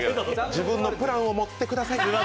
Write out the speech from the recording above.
自分のプランを持ってください。